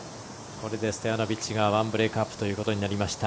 これでストヤノビッチが１ブレークアップということになりました。